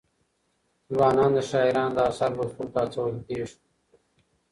ځوانان د شاعرانو د اثارو لوستلو ته هڅول کېږي.